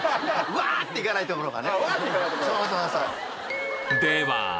「わ！」って行かないところが。